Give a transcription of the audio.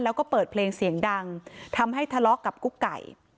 แล้วก็เปิดเพลงเสียงดังทำให้ทะเลาะกับกุ๊กไก่